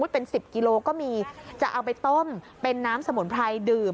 เป็น๑๐กิโลก็มีจะเอาไปต้มเป็นน้ำสมุนไพรดื่ม